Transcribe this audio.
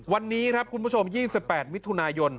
วันนี้ครับคุณผู้ชม๒๘มิถุนายน